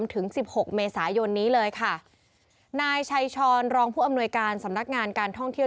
ถึงสิบหกเมษายนนี้เลยค่ะนายชัยชรรองผู้อำนวยการสำนักงานการท่องเที่ยว